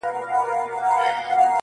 څه نرګس نرګس را ګورې څه غنچه غنچه ږغېږې